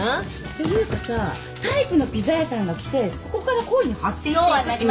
っていうかさタイプのピザ屋さんが来てそこから恋に発展していくって。